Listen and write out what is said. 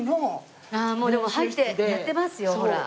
もうでも入ってやってますよほら。